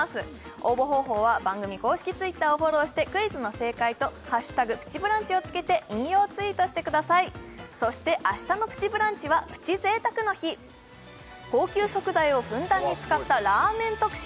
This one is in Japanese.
応募方法は番組公式Ｔｗｉｔｔｅｒをフォローしてクイズの正解と「＃プチブランチ」をつけて引用ツイートしてくださいそして明日の「プチブランチ」はプチ贅沢の日高級食材をふんだんに使ったラーメン特集